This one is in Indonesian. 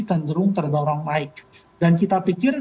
cenderung terdorong naik dan kita pikir